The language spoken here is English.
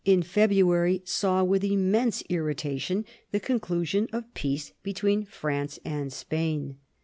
in February, saw with immense irritation the conclusion of peace between France and Spain.